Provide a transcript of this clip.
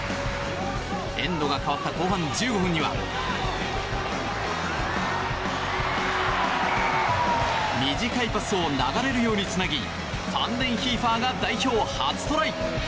エンドが変わった後半１５分には短いパスを流れるようにつなぎファンデンヒーファーが代表初トライ。